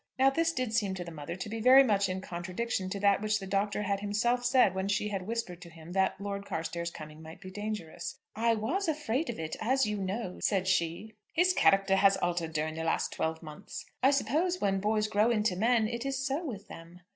Now this did seem to the mother to be very much in contradiction to that which the Doctor had himself said when she had whispered to him that Lord Carstairs's coming might be dangerous. "I was afraid of it, as you know," said she. "His character has altered during the last twelve months." "I suppose when boys grow into men it is so with them."